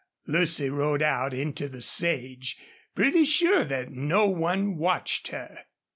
Lucy rode out into the sage, pretty sure that no one watched her.